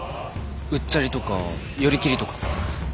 うっちゃりとか寄り切りとか。